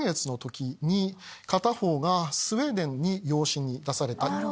片方がスウェーデンに養子に出された。